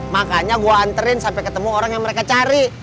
makanya gue anterin sampai ketemu orang yang mereka cari